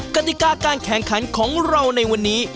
กติกาการแข่งขันของเราในวันนี้